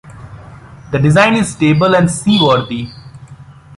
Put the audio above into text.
The design is stable and seaworthy.